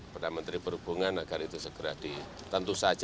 pertama menteri perhubungan agar itu segera ditentu saja